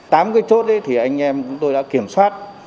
tám cái chốt ấy thì anh em tôi đã kiểm soát